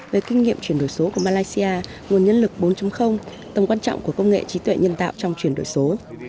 về kinh nghiệm chuyển đổi số của malaysia nguồn nhân lực bốn tầm quan trọng của công nghệ trí tuệ nhân tạo trong chuyển đổi số